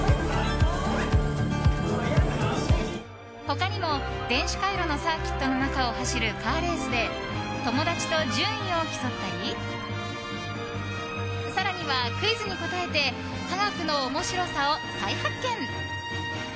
他にも電子回路のサーキットの中を走るカーレースで友達と順位を競ったり更にはクイズに答えて科学の面白さを再発見。